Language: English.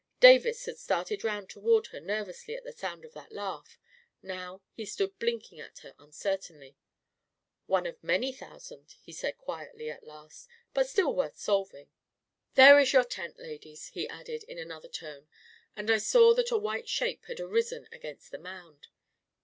Davis had started round toward her nervously at the sound of that laugh; now he stood blinking at her uncertainly. " One of many thousand,' 9 he said quietly at last; "but still worth solving. There is your tent, ladies," he added, in another tone, and I saw that a white shape had arisen against the mound.